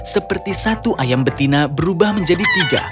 seperti satu ayam betina berubah menjadi tiga